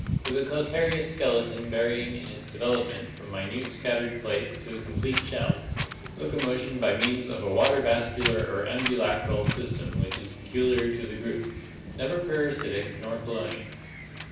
With a calcareous skeleton varying in its development from minute scattered plates to a complete shell. Locomotion by means of a water vascular or ambulacral (Lat. ambulac rum, walk) system which is peculiar to the group. Never parasitic nor colonial.